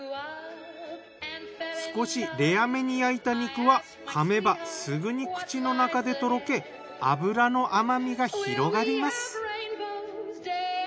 少しレアめに焼いた肉は噛めばすぐに口の中でとろけ脂の甘みが広がります。